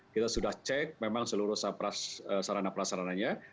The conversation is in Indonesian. kita sudah cek memang seluruh sarana prasarananya